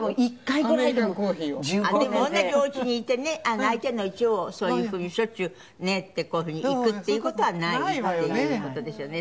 でも同じお家にいてね相手の家をそういうふうにしょっちゅう「ねえ」ってこういうふうに行くっていう事はないっていう事ですよね。